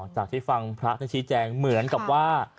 จากที่ฟังพระท่านธิชิแจงเหมือนกับว่า